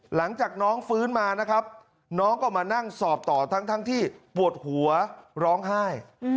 หลังจากน้องฟื้นมานะครับน้องก็มานั่งสอบต่อทั้งที่ปวดหัวร้องไห้